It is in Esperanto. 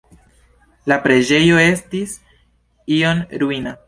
La preĝejo estis iom ruina.